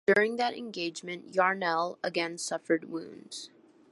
During that engagement, Yarnall again suffered wounds.